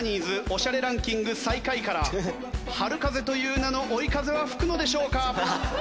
オシャレランキング最下位から春風という名の追い風は吹くのでしょうか？